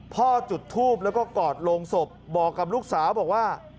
จุดทูบแล้วก็กอดโรงศพบอกกับลูกสาวบอกว่า